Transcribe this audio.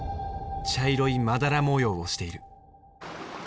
茶色いまだら模様をしている。